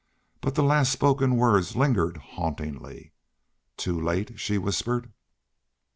But the last spoken words lingered hauntingly. "Too late?" she whispered.